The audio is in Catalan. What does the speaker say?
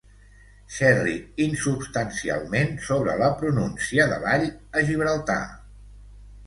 Xerri insubstancialment sobre la pronúncia de l'all a Gibraltar.